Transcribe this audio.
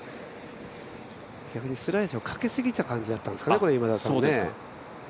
逆にスライスをかけすぎた感じだったんですかね。